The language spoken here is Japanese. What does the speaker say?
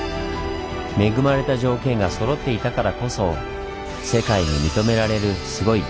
恵まれた条件がそろっていたからこそ世界に認められるスゴい